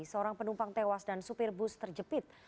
seorang penumpang tewas dan supir bus terjepit